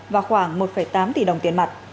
và khoảng một tám tỷ đồng tiền mặt